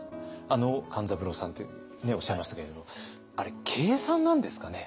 あの勘三郎さんっておっしゃいましたけれどもあれ計算なんですかね？